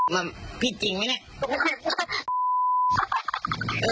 มั่มผิดจริงมั้ยเนี่ย